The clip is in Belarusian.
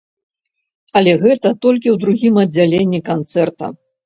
Але гэта толькі ў другім аддзяленні канцэрта.